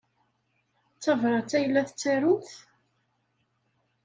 D tabṛat ay la tettarumt?